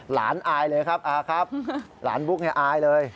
อายเลยครับอาครับหลานบุ๊กเนี่ยอายเลย